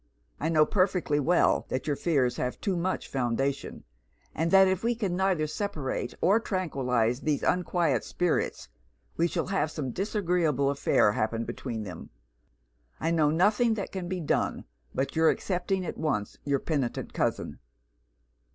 I know perfectly well that your fears have too much foundation; and that if we can neither separate or tranquillise these unquiet spirits, we shall have some disagreeable affair happen between them. I know nothing that can be done but your accepting at once your penitent cousin.'